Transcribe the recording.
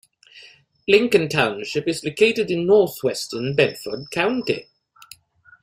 Lincoln Township is located in northwestern Bedford County.